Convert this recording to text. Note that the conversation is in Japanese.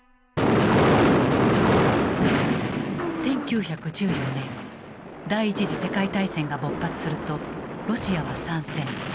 １９１４年第一次世界大戦が勃発するとロシアは参戦。